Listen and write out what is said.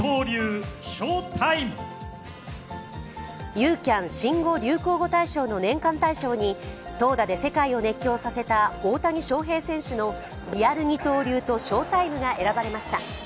ユーキャン新語・流行語大賞の年間大賞に投打で世界を熱狂させた大谷翔平選手のリアル二刀流とショータイムが選ばれました。